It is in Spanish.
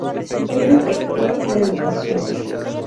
Es Inspector de Educación.